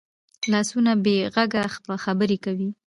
لاسونه بې غږه خبرې کوي